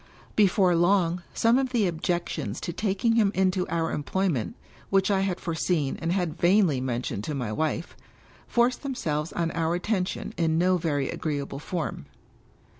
Before long, some of the objections to taking him into our employment, which I had foreseen and had vainly men tioned to my wife, forced themselves on our attention in no very agreeable form.